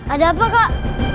ada apa kak